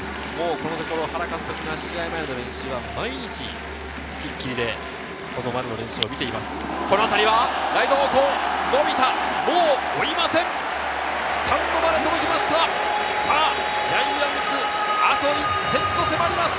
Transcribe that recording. このところ原監督が試合前の練習は毎日つきっきりで丸の練習を見ています。